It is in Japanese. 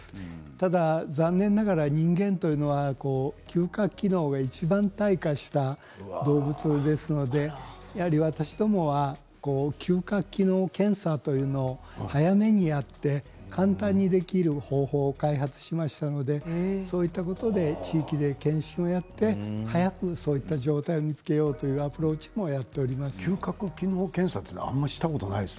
ただ残念ながら人間というのは嗅覚機能がいちばん退化した動物ですので私どもは嗅覚機能検査というものを早めにやって簡単にできる方法を開発しましたのでそういったことで地域で検診をやって早くそういった状態を見つけようというアプローチも嗅覚機能検査というのはあまりしたことがないです。